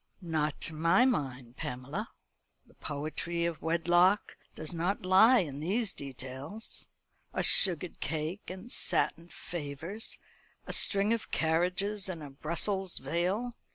"Not to my mind, Pamela. The poetry of wedlock does not lie in these details a sugared cake, and satin favours; a string of carriages, and a Brussels veil.